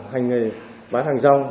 hành nghề bán hàng rong